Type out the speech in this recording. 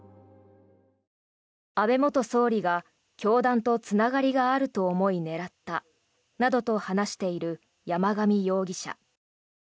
安倍元総理が教団とつながりがあると思い狙ったなどと話している山上容疑者。